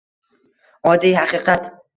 Oddiy haqiqat